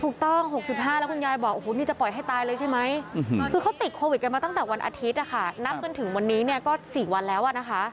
คุยกันมาตั้งแต่วันอาทิตย์นับจนถึงวันนี้ก็๔วันแล้ว